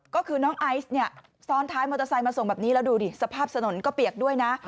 ก็คือน้องไอซ์เนี่ยซ้อนท้ายมอเตอร์ไซค์มาส่งแบบนี้แล้วดูดิสภาพถนนก็เปียกด้วยนะ